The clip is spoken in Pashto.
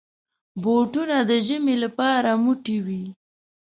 بوټونه د ژمي لپاره موټي وي.